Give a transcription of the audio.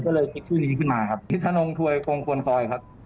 ก็เลยคิดชื่อนี้ขึ้นมาครับคิดธนงถวยคงควรคอยครับ